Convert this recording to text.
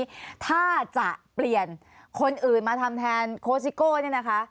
ทีนี้ถ้าจะเปลี่ยนคนอื่นมาทำแทนโคสิโก้เนี่ยนะคะ